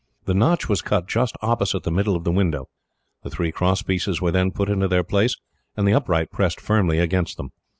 The notch was cut just opposite the middle of the window. The three crosspieces were then put into their place, and the upright pressed firmly against them.